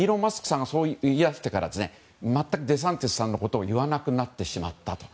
さんがそう言ってから全くデサンティスさんのことを言わなくなってしまったと。